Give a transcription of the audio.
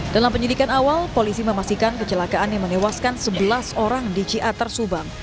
dalam penyidikan awal polisi memastikan kecelakaan yang menewaskan sebelas orang di ciater subang